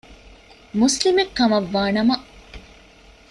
މުސްލިމެއްކަމަށްވާ ނަމަ